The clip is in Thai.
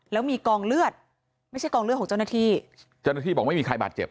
แล้วมีกองเลือดไม่ใช่กองเลือดของเจ้าหน้าที่เจ้าหน้าที่บอกไม่มีใครบาดเจ็บ